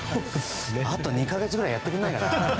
あと２か月ぐらいやってくれないかな。